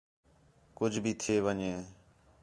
کُج بھی تھی ون٘ڄے